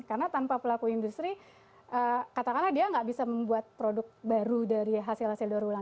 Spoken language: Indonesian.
karena tanpa pelaku industri katakanlah dia tidak bisa membuat produk baru dari hasil hasil dorongan